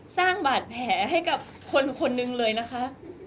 สร้างบาดแผลให้กับคนคนหนึ่งเลยนะคะ